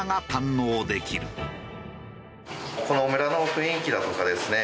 この村の雰囲気だとかですね